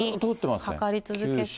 かかり続けて。